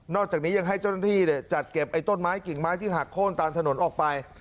จากนี้ยังให้เจ้าหน้าที่จัดเก็บไอ้ต้นไม้กิ่งไม้ที่หักโค้นตามถนนออกไป